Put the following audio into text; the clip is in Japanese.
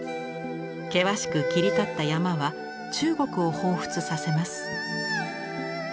険しく切り立った山は中国をほうふつさせます。